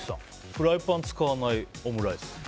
フライパン使わないオムライス。